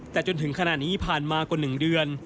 แต่จนถึงขนาดนี้ผ่านมากว่าหนึ่งเดือน